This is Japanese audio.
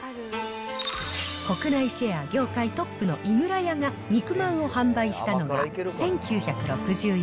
国内シェア業界トップの井村屋が肉まんを販売したのが、１９６４